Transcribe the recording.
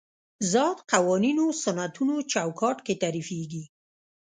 ذات قوانینو سنتونو چوکاټ کې تعریفېږي.